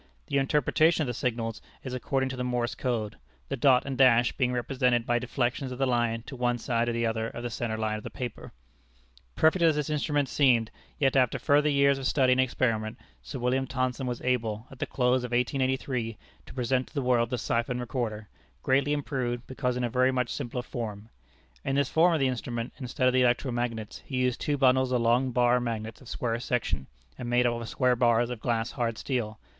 The interpretation of the signals is according to the Morse code; the dot and dash being represented by deflections of the line to one side or the other of the centre line of the paper. [Illustration: FIG. 2.] [Illustration: FIG. 3.] Perfect as this instrument seemed, yet after further years of study and experiment, Sir William Thomson was able, at the close of 1883, to present to the world the Siphon Recorder, greatly improved, because in a very much simpler form. In this form of the instrument, instead of the electro magnets, he used two bundles of long bar magnets of square section and made up of square bars of glass hard steel.